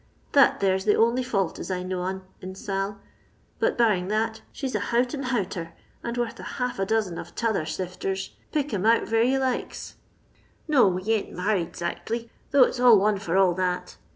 That there 's the only fiiult, as I know on, in Sail; but, barring that, she 's a hout and houter, and worth a half a dozen of t' other sifters — pick 'em out vare you likes. No, we ain't married 'zactly, though it 's all one for all that.